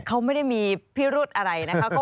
เขาไม่ได้มีพิรุธอะไรนะคะ